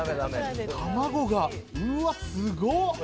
卵が、うわ、すご。